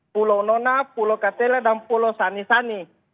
pulau nona pulau katela dan pulau sani sani